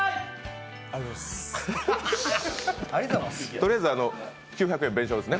とりあえず９００円弁償ですね